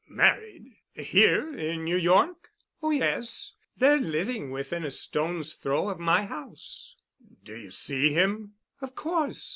"Married? Here in New York?" "Oh, yes. They're living within a stone's throw of my house." "Do you see him?" "Of course.